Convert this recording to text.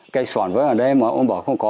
cái sỏn vẫn ở đây mà ông bảo không có